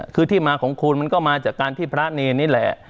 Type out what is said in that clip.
คือที่มาของคุณมันก็มาจากการที่พระเนรนี่แหละ